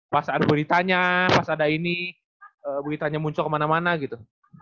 pas ada beritanya pas ada ini beritanya muncul kemana mana gitu